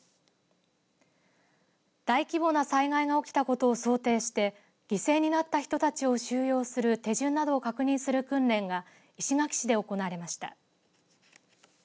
大規模な災害が起きたことを想定して犠牲になった人たちを収容する手順などを確認する訓練が石垣市で行われました。